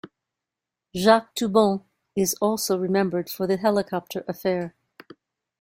Jacques Toubon is also remembered for the "helicopter affair".